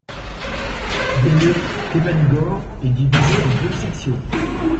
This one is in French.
Belum-Temenggor est divisé en deux sections.